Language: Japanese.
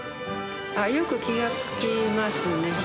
よく気が付きますね。